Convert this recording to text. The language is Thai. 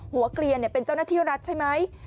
เกลียนเป็นเจ้าหน้าที่รัฐใช่ไหม